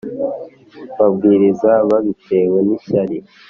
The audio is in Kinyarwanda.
babwiriza babitewe n ishyari